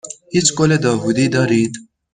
هیچ گل داوودی دارید؟